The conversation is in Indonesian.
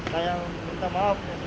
saya minta maaf kepada